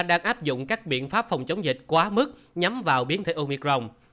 đang áp dụng các biện pháp phòng chống dịch quá mức nhắm vào biến thể omicron